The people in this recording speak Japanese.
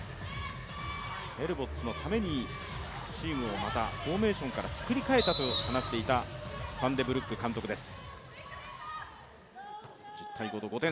ヘルボッツのためにチームをまたフォーメーションから作り替えたと話していたファンデブルック監督です。